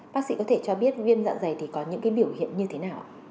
bác sĩ có thể cho biết viêm dạ dày thì có những cái biểu hiện như thế nào ạ